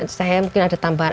saya mungkin ada tambahan